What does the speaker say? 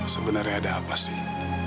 sebenarnya ada apa sih